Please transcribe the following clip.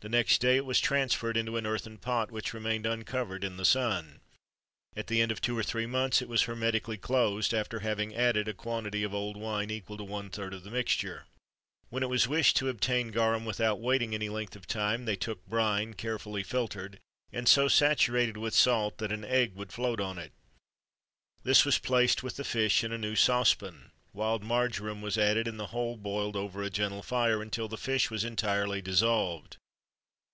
The next day it was transferred into an earthen pot, which remained uncovered in the sun. At the end of two or three months, it was hermetically closed, after having added a quantity of old wine equal to one third of the mixture.[XXIII 33] When it was wished to obtain garum without waiting any length of time, they took brine, carefully filtered, and so saturated with salt that an egg would float on it; this was placed with the fish in a new saucepan; wild marjoram was added, and the whole boiled over a gentle fire, until the fish was entirely dissolved.